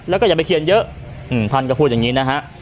แล้วก็อย่าไปเขียนเยอะท่านก็พูดอย่างนี้นะฮะ